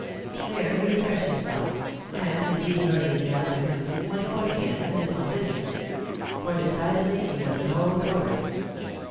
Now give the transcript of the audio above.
There he refreshed himself, and, it being early in the afternoon, went forth again, as if on business; for decidedly he was no tourist.